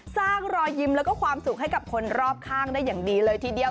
รอยยิ้มแล้วก็ความสุขให้กับคนรอบข้างได้อย่างดีเลยทีเดียว